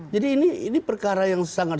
jadi ini perkara yang sangat